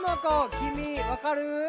きみわかる？